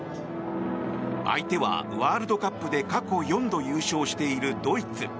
相手は、ワールドカップで過去４度優勝しているドイツ。